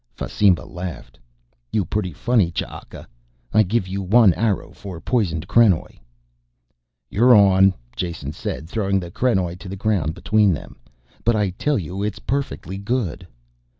Fasimba laughed. "You pretty funny, Ch'aka. I give you one arrow for poisoned krenoj." "You're on," Jason said throwing the krenoj to the ground between them. "But I tell you it is perfectly good."